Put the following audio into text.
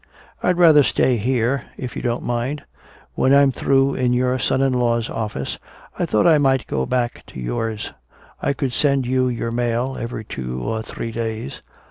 "I'd rather stay here, if you don't mind. When I'm through in your son in law's office I thought I might go back to yours. I could send you your mail every two or three days."